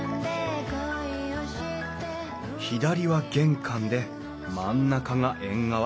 左は玄関で真ん中が縁側。